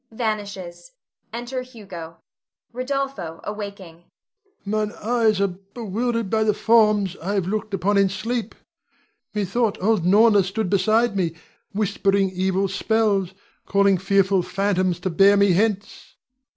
[Vanishes. Enter Hugo. Rod. [awaking]. Mine eyes are bewildered by the forms I have looked upon in sleep. Methought old Norna stood beside me, whispering evil spells, calling fearful phantoms to bear me hence.